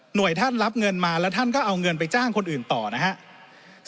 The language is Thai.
ท่านรับเงินมาแล้วท่านก็เอาเงินไปจ้างคนอื่นต่อนะครับ